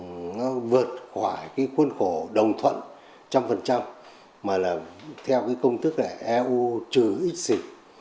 nó vượt khỏi cái khuôn khổ đồng thuận trăm phần trăm mà là theo cái công thức là eu trừ ích xịn